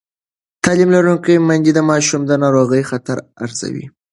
تعلیم لرونکې میندې د ماشومانو د ناروغۍ خطر ارزوي.